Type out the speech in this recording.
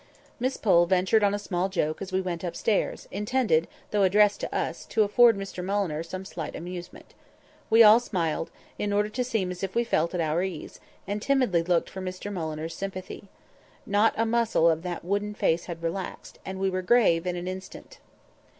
Miss Pole ventured on a small joke as we went upstairs, intended, though addressed to us, to afford Mr Mulliner some slight amusement. We all smiled, in order to seem as if we felt at our ease, and timidly looked for Mr Mulliner's sympathy. Not a muscle of that wooden face had relaxed; and we were grave in an instant.